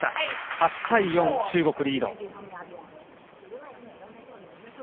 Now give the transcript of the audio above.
８対４、中国、リード。